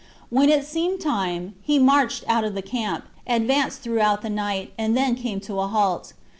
When it seemed time, he marched out of the camp, advanced throughout the night, and then came to a halt.